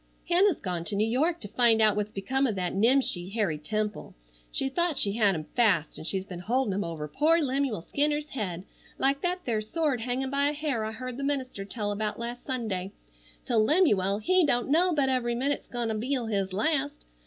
"Hannah's gone to New York to find out what's become of that nimshi Harry Temple. She thought she had him fast, an' she's been holdin' him over poor Lemuel Skinner's head like thet there sword hangin' by a hair I heard the minister tell about last Sunday, till Lemuel, he don't know but every minute's gone'll be his last.